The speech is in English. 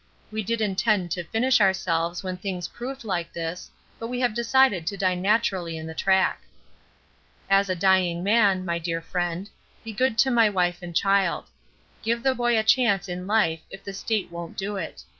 We did intend to finish ourselves when things proved like this, but we have decided to die naturally in the track. As a dying man, my dear friend, be good to my wife and child. Give the boy a chance in life if the State won't do it.